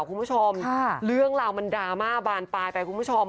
คุณผู้ชมเรื่องราวมันดราม่าบานปลายไปคุณผู้ชม